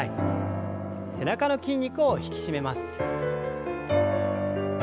背中の筋肉を引き締めます。